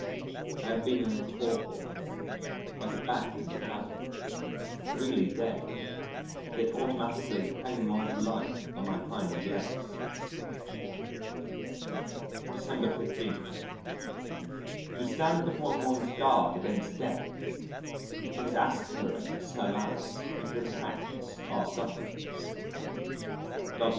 I have been in a torpor, like a Bat in a cavern really dead yet automatically hanging on to life by my hind legs. December 15. "To stand upon one's guard against Death exasperates her malice and protracts our sufferings."